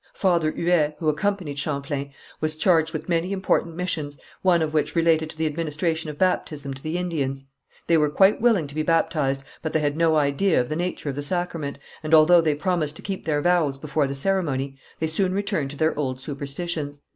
Father Huet, who accompanied Champlain, was charged with many important missions, one of which related to the administration of baptism to the Indians. They were quite willing to be baptized, but they had no idea of the nature of the sacrament, and although they promised to keep their vows before the ceremony, they soon returned to their old superstitions.